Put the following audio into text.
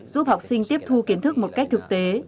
giúp học sinh tiếp thu kiến thức một cách thực tế